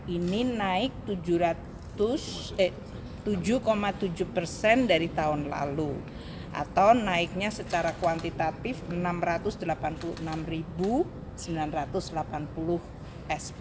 ini naik tujuh tujuh persen dari tahun lalu atau naiknya secara kuantitatif enam ratus delapan puluh enam sembilan ratus delapan puluh sp